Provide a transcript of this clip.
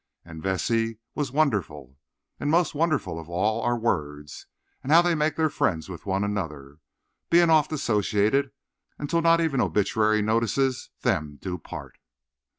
And Vesey was wonderful. And most wonderful of all are words, and how they make friends one with another, being oft associated, until not even obituary notices them do part.